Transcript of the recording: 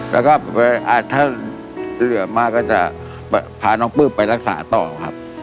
แล้วก็ถ้าเหลือมากก็จะพาน้องปื้มไปรักษาต่อครับ